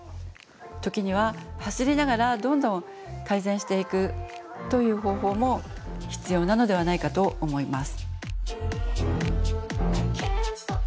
時には走りながらどんどん改善していくという方法も必要なのではないかと思います。